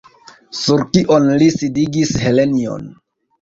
Sur kion li sidigis Helenjon?